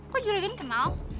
kok juragan kenal